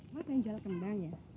mas yang jual kendang ya